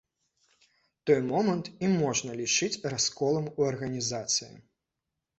Той момант і можна лічыць расколам у арганізацыі.